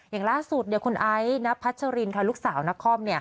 อย่างล่าสุดคุณไอซ์ณพัชรินค่ะลูกสาวนคร